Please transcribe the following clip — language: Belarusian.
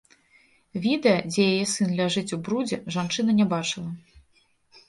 Відэа, дзе яе сын ляжыць у брудзе, жанчына не бачыла.